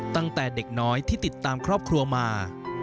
ตั้งแต่เด็กน้อยที่ติดตามครอบครัวมา